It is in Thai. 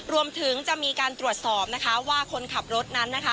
รวมถึงจะมีการตรวจสอบว่าคนขับรถนั้น